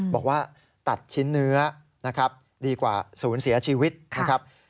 บอกว่าตัดชิ้นเนื้อนะครับดีกว่าศูนย์เสียชีวิตนะครับ